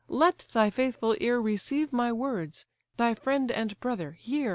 let thy faithful ear Receive my words: thy friend and brother hear!